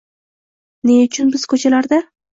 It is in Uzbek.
Ne uchun biz ko’chalarda